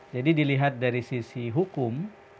jadi dilihat dari sisi hukum